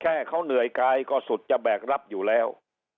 แค่เขาเหนื่อยกายก็สุดจะแบกรับอยู่แล้ว